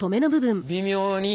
微妙に。